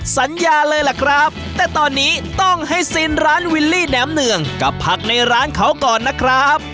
สัญญาเลยล่ะครับแต่ตอนนี้ต้องให้ซีนร้านวิลลี่แหนมเนืองกับผักในร้านเขาก่อนนะครับ